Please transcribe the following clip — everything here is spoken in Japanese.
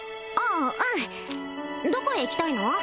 うんどこへ行きたいの？